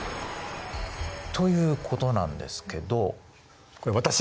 ということなんですけど。